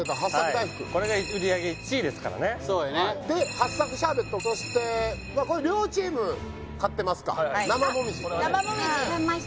はっさくシャーベットそしてまあこれ両チーム買ってますか生もみじ生もみじ買いました